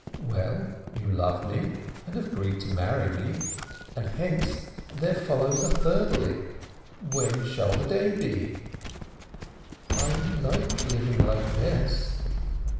"Well, you love me, and have agreed to marry me, and hence there follows a thirdly, 'When shall the day be?'" "I like living like this."